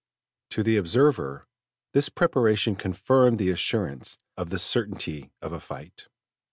To the observer this preparation confirmed the assurance of the certainty of a fight.